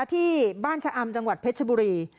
ที่บ้านชะอำจังหวัดเพชรบุรี